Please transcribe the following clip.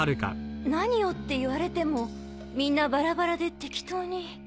何をって言われてもみんなバラバラで適当に。